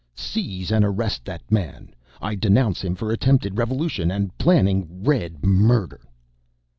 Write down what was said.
"Seize and arrest that man, I denounce him for attempted revolution, for planning red murder!"